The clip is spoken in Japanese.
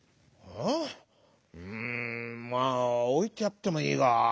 「うんまあおいてやってもいいが」。